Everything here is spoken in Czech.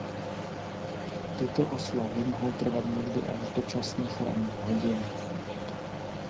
Tyto oslavy mohou trvat někdy až do časných ranních hodin.